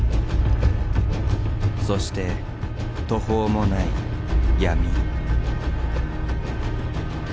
そして途方もない闇。